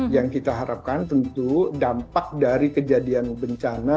yang kita harapkan tentu dampak dari kejadian bencana